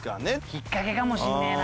引っかけかもしんねえな